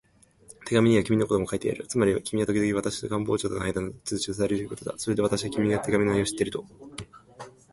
手紙には君のことも書いてあるよ。つまり君はときどき私と官房長とのあいだの通知を伝えるということだ。それで私は、君が手紙の内容を知っているものと